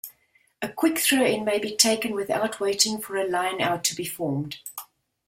A quick throw-in may be taken without waiting for a line-out to be formed.